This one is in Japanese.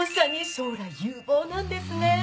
将来有望なんですね。